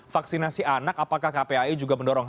vaksinasi anak apakah kpai juga mendorong